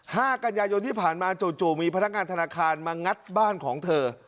ห้ากันยายนที่ผ่านมาจู่จู่มีพนักงานธนาคารมางัดบ้านของเธอ